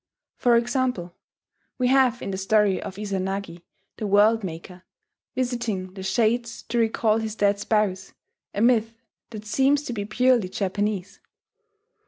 For example, we have, in the story of Izanagi, the world maker, visiting the shades to recall his dead spouse, a myth that seems to be purely Japanese.